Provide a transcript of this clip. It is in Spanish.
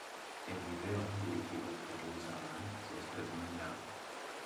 El video, dirigido por Lisa Mann, se estrenó en Yahoo!